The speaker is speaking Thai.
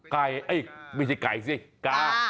ไก่ไม่ใช่ไก่สิกา